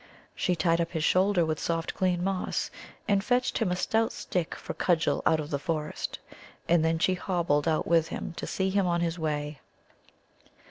She tied up his shoulder with soft clean moss, and fetched him a stout stick for cudgel out of the forest. And then she hobbled out with him to see him on his way.